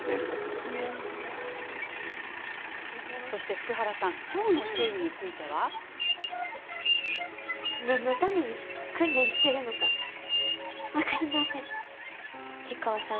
福原さんは今日のシーンについて。何のために訓練しているのか分かりません。